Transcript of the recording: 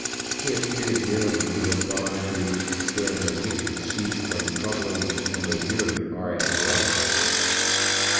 He appeared nearly to have gone to "Where the wicked cease from troubling, and the weary are at rest."